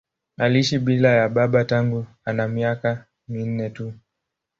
Aliishi bila ya baba tangu ana miaka minne tu.